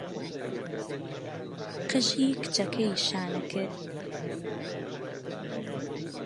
قژی کچەکەی شانە کرد.